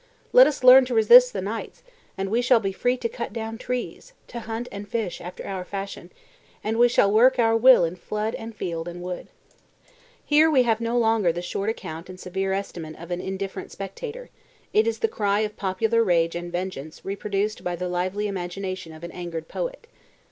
Let us learn to resist the knights, and we shall be free to cut down trees, to hunt and fish after our fashion, and we shall work our will in flood and field and wood." [Illustration: Knights and Peasants 312] Here we have no longer the short account and severe estimate of an indifferent spectator; it is the cry of popular rage and vengeance reproduced by the lively imagination of an angered poet.